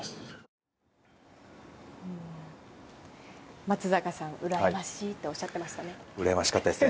松坂さん、うらやましいとおっしゃってましたね。